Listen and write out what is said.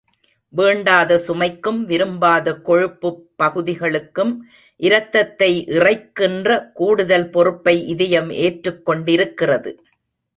வேண்டாத சுமைக்கும், விரும்பாத கொழுப்புப் பகுதிகளுக்கும் இரத்தத்தை இறைக்கின்ற கூடுதல் பொறுப்பை இதயம் ஏற்றுக் கொண்டிருக்கிறது.